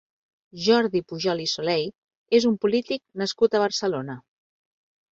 Jordi Pujol i Soley és un polític nascut a Barcelona.